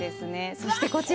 そしてこちら。